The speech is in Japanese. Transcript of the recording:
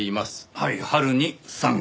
はい春に３件。